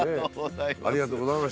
ありがとうございます。